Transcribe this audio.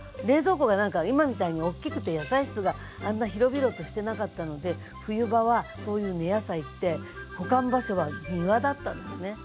冷蔵庫がなんか今みたいにおっきくて野菜室があんな広々としてなかったので冬場はそういう根野菜って保管場所は庭だったのよね。